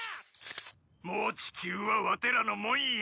もう地球はわてらのもんや！